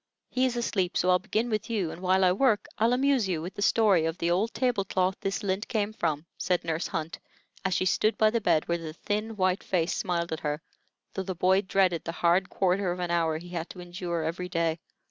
He is asleep, so I'll begin with you, and while I work I'll amuse you with the story of the old table cloth this lint came from," said Nurse Hunt, as she stood by the bed where the thin, white face smiled at her, though the boy dreaded the hard quarter of an hour he had to endure every day.